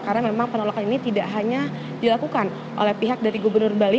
karena memang penolakan ini tidak hanya dilakukan oleh pihak dari gubernur bali